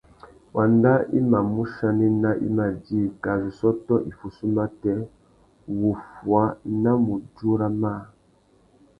Wanda i mà mù chanena i mà djï kā zu sôtô iffussú matê, wuffuá na mudjúra mâā.